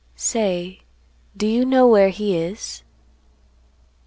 Say, do you know where he is?"